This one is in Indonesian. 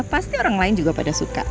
pasti orang lain juga pada suka